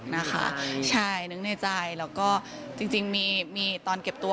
แบบไหนเนี่ยนึกในใจแล้วก็จริงตอนเก็บตัว